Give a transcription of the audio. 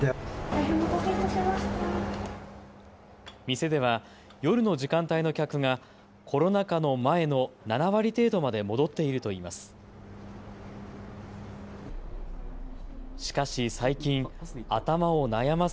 店では夜の時間帯の客がコロナ禍の前の７割程度まで戻っているといいます。